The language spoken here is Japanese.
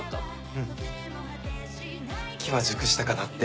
うん機は熟したかなって。